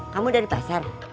kamu dari pasar